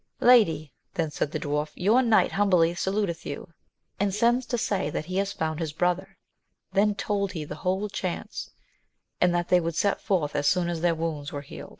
Lady, then said the dwarf, your knight humbly saluteth you, and sends to say that he has found his brother. Then told he the whole chance, and that they would set forth as soon as their woxis^da were healed. VOL. I.